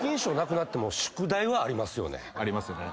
ありますよね。